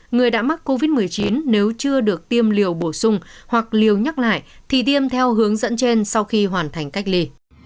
người đã mắc covid một mươi chín nếu chưa được tiêm liều bổ sung hoặc liều nhắc lại thì tiêm theo hướng dẫn trên sau khi hoàn thành cách ly